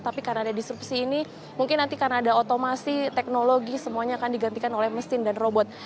tapi karena ada disrupsi ini mungkin nanti karena ada otomasi teknologi semuanya akan digantikan oleh mesin dan robot